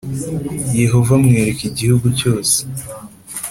Yehova amwereka igihugu cyose